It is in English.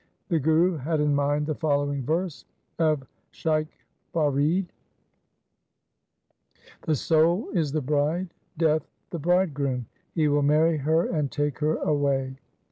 The Guru had in mind the following verse of Shaikh Farid :— The soul is the bride, Death the bridegroom ; he will marry her and take her away.